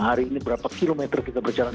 hari ini berapa kilometer kita berjalan